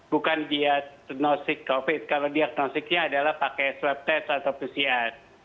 bukan diagnostic covid karena diagnostic nya adalah pakai swab test atau pcr